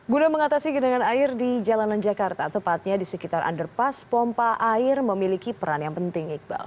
guna mengatasi genangan air di jalanan jakarta tepatnya di sekitar underpass pompa air memiliki peran yang penting iqbal